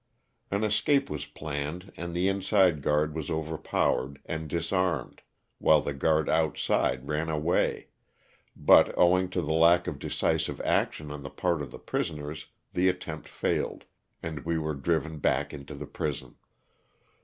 An escape was planned and the inside guard was overpowered and dis armed, while the guard outside ran away, but owing to the lack of decisive action on the part of the pris oners the attempt failed, and we were driven back into the prison.